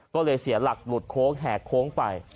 ก็เลยเสียหลักหลุดโค้งแหกโค้งไป